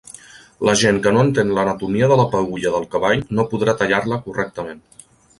La gent que no entén l'anatomia de la peülla del cavall no podrà tallar-la correctament.